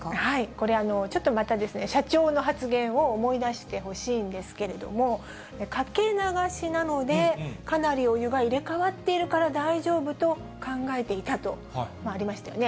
これ、ちょっとまた社長の発言を思い出してほしいんですけれども、かけ流しなので、かなりお湯が入れ替わっているから大丈夫と考えていたとありましたよね。